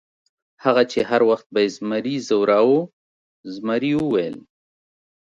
هغه چې هر وخت به یې زمري ځوراوه، زمري وویل.